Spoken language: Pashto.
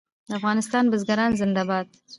د افغانستان بزګران زنده باد.